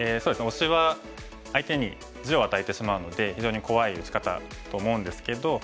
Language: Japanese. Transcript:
押しは相手に地を与えてしまうので非常に怖い打ち方と思うんですけど。